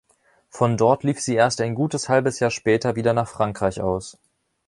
Von dort lief sie erst ein gutes halbes Jahr später wieder nach Frankreich aus.